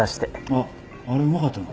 あっあれうまかったな。